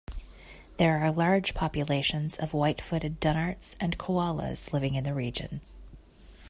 There are large populations of white-footed dunnarts and koalas living in the region.